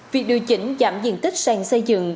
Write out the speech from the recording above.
việc điều chỉnh giảm diện tích sàn xây dựng